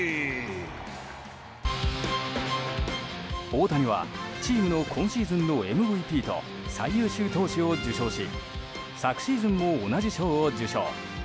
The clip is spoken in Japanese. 大谷はチームの今シーズンのＭＶＰと最優秀投手を受賞し昨シーズンも同じ賞を受賞。